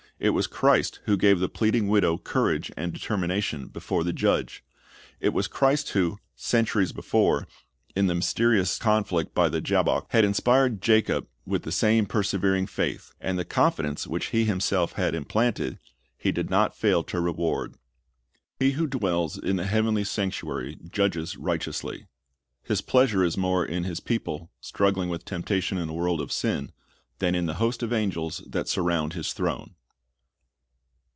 It was Christ who gave the pleading widow courage and determination before the judge. It was Christ who, centuries before, in the mysterious conflict by the Jabbok, had inspired Jacob with the same persevering faith. And the confidence which He Himself had implanted, He did not fail to reward. 1 Ps. 37 : 6 176 Christ's Object Lessons He who dwells in the heavenly sanctuary judges right eously. His pleasure is more in His people, struggling witli temptation in a world of sin, than in the host of angels that surround His throne.